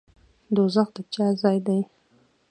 دوزخ د چا ځای دی؟